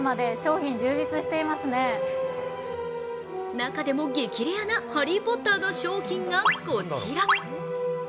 中でも激レアなハリー・ポッターの商品がこちら。